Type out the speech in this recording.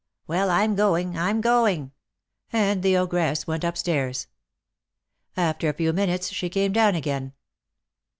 Well, I'm going, I'm going;" and the ogress went up stairs. After a few minutes she came down again.